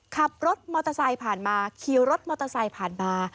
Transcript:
ขับรถมอเตอร์ไซค์ผ่านมาขี่รถมอเตอร์ไซค์ผ่านมา